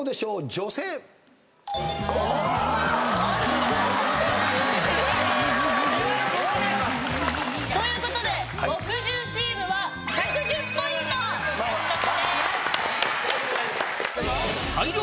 『女性』ということで木１０チームは１１０ポイント獲得です。